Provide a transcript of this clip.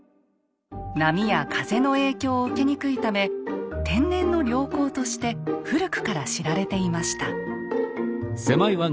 波や風の影響を受けにくいため天然の良港として古くから知られていました。